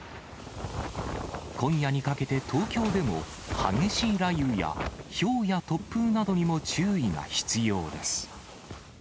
今夜にかけて東京でも激しい雷雨や、ひょうや突風などにも注意が必要です。